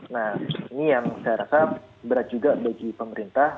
nah ini yang saya rasa berat juga bagi pemerintah